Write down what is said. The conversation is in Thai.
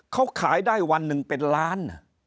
เขาขายได้วันหนึ่งเป็นล้าน